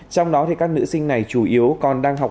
trong đó các nữ sinh này chủ yếu còn đang học